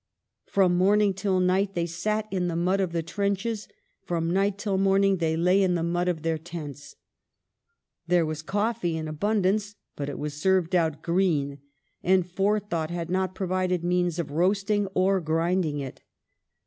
From morning till night they sat in the mud of the trenches, from night till morning they lay in the mud of their tents." There was coffee in abundance, but it was served out green, and forethought had not provided means of roasting or grinding it.